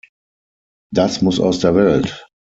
Das muss aus der Welt!